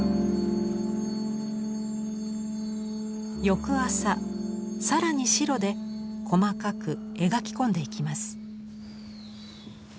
翌朝更に白で細かく描き込んでいきます。